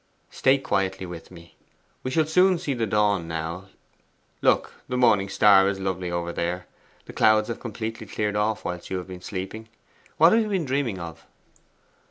'Stay quietly with me. We shall soon see the dawn now. Look, the morning star is lovely over there. The clouds have completely cleared off whilst you have been sleeping. What have you been dreaming of?